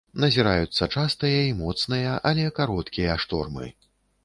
Назіраюцца частыя і моцныя, але кароткія штормы.